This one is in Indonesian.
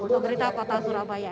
pemerintah kota surabaya